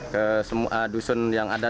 ke dusun yang ada